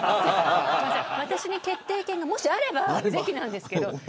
私に決定権がもしあればぜひなんですけど。